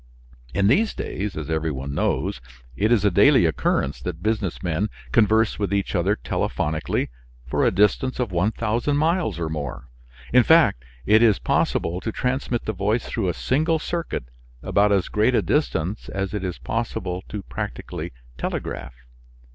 In these days, as every one knows, it is a daily occurrence that business men converse with each other, telephonically, for a distance of 1000 miles or more; in fact, it is possible to transmit the voice through a single circuit about as great a distance as it is possible to practically telegraph.